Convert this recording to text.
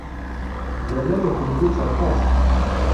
Jamal iḥemmel-itt aṭas.